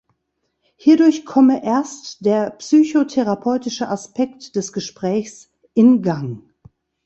Hierdurch komme erst der psychotherapeutische Aspekt des Gesprächs in Gang.